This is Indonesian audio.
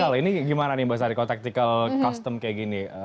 ya tactical ini gimana nih mbak sari kalau tactical custom kayak gini